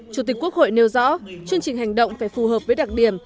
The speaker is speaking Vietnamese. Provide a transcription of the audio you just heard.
chủ tịch quốc hội nêu rõ chương trình hành động phải phù hợp với đặc điểm